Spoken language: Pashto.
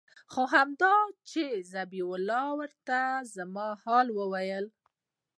خو همدا چې ذبيح الله ورته زما حال ويلى و.